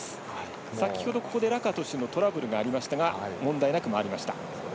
先ほど、ラカトシュのトラブルがありましたが問題なくきました。